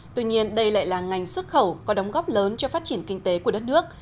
tuy nhiên đây lại là ngành xuất khẩu có đóng góp lớn cho phát triển kinh tế của đất nước